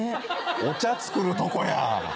お茶作るとこや！